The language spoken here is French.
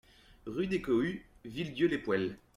Rue des Cohues, Villedieu-les-Poêles